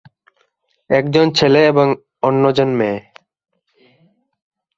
একজন ছেলে এবং অন্যজন মেয়ে।